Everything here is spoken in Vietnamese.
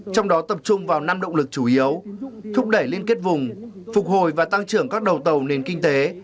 trong đó tập trung vào năm động lực chủ yếu thúc đẩy liên kết vùng phục hồi và tăng trưởng các đầu tàu nền kinh tế